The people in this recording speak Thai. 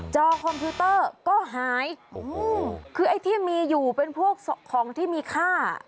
คอมพิวเตอร์ก็หายคือไอ้ที่มีอยู่เป็นพวกของที่มีค่า